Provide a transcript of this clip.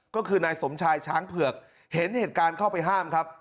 ก็คือนายสมชายช้างเผือกเห็นเหตุการณ์เข้าไปห้ามครับ